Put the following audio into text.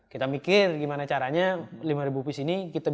kita mikir gimana caranya lima ribu piece ini kita bisa order ke mereka